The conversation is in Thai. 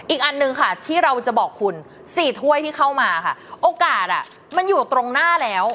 อีกอันหนึ่งค่ะที่เราจะบอกคุณ๔ถ้วยที่เข้ามาค่ะโอกาสมันอยู่ตรงหน้าแล้ว